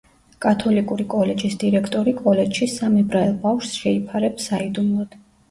კათოლიკური კოლეჯის დირექტორი კოლეჯში სამ ებრაელ ბავშვს შეიფარებს საიდუმლოდ.